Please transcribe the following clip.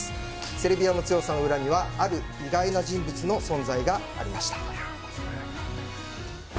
セルビアの強さの裏にはある意外な人物の存在がありました。